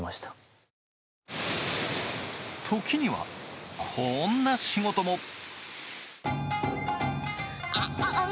時にはこんな仕事も。